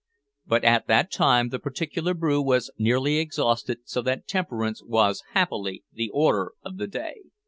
But at that time the particular brew was nearly exhausted, so that temperance was happily the order of the day.